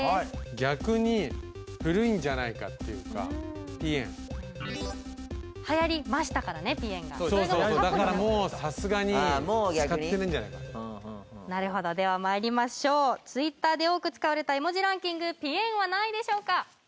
逆に古いんじゃないかっていうかぴえんはやりましたからねぴえんがそうそうそうだからもうさすがに使ってないんじゃないかとなるほどではまいりましょうＴｗｉｔｔｅｒで多く使われた絵文字ランキングぴえんは何位でしょうか？